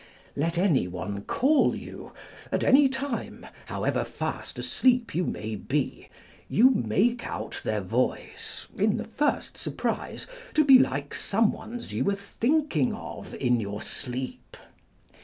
Let anyone call you at any time, however fast asleep you may be, you make out their voice in the first surprise to be like some one's you were thinking of in your sleep.